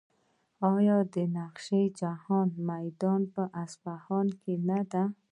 آیا د نقش جهان میدان په اصفهان کې نه دی؟